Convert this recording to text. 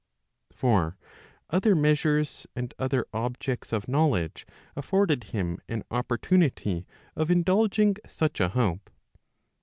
For other measures and other objects of knowledge afforded him an opportunity of indulging such a hope.